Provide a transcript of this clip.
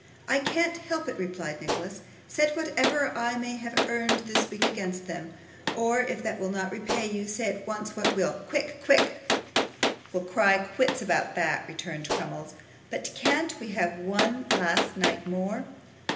'I can't help it,' replied Nicholas. 'Set whatever I may have earned this week against them, or if that will not repay you, say at once what will. Quick, quick.' 'We'll cry quits about that,' returned Crummles. 'But can't we have one last night more?